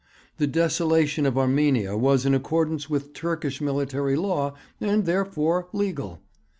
The desolation of Armenia was in accordance with Turkish military law, and therefore "legal."